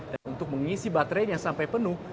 dan untuk mengisi baterainya sampai penuh